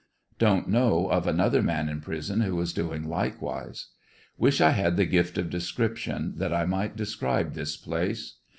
Don't know of another man in prison who is doing likewise. Wish I had the gift of description that I might describe this place.